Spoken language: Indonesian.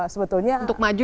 sebetulnya untuk maju